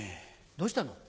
どうしたの？